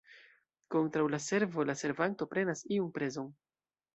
Kontraŭ la servo la servanto prenas iun prezon.